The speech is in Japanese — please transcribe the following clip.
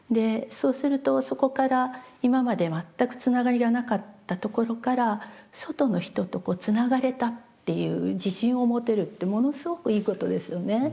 そうするとそこから今まで全くつながりがなかったところから外の人とつながれたっていう自信を持てるってものすごくいいことですよね。